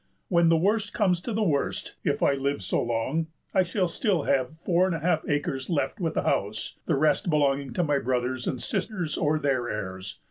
When the worst comes to the worst (if I live so long) I shall still have four and a half acres left with the house, the rest belonging to my brothers and sisters or their heirs.